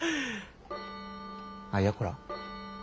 あいやこら